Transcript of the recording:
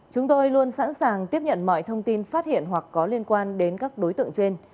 chúng tôi luôn sẵn sàng tiếp nhận mọi thông tin phát hiện hoặc có liên quan đến các đối tượng trên